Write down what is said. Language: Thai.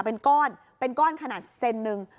เป็นก้อนเป็นก้อนขนาดเซนหนึ่ง